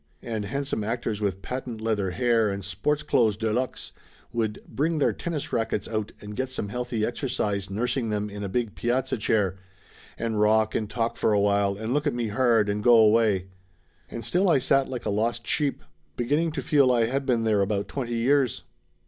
And handsome actors with patent leather hair and sports clothes de luxe would bring their tennis rackets out and get some healthy exercise nursing them in a big piazza chair, and rock and talk for a while and look at me hard and go away. And still I sat like a lost sheep, beginning to feel I had been there about twenty years.